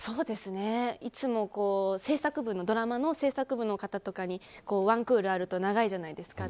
いつもドラマの制作部の方とかに１クールあると長いじゃないですか。